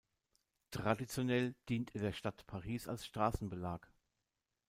Traditionell dient er der Stadt Paris als Straßenbelag.